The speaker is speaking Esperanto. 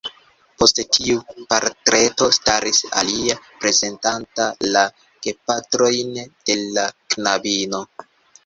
Post tiu portreto staris alia, prezentanta la gepatrojn de la knabino.